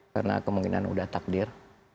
karena kemungkinan sudah takdir